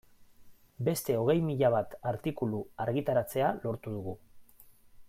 Beste hogei mila bat artikulu argitaratzea lortu dugu.